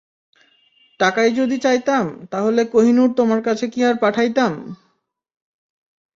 টাকাই যদি চাইতাম, তাহলে কোহিনূর তোমার কাছে কি আর পাঠাইতাম?